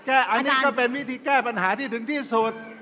อันนี้ก็เป็นวิธีแก้ปัญหาที่ถึงที่สุด